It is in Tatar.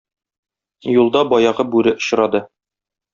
Юлда баягы бүре очрады.